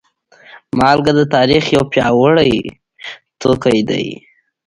مالګه د تاریخ یو پیاوړی توکی دی.